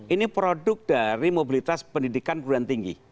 ini produk dari mobilitas pendidikan perguruan tinggi